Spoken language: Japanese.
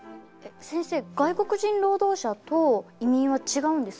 先生外国人労働者と移民は違うんですか？